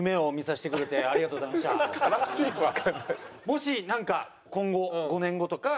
もしなんか今後５年後とか。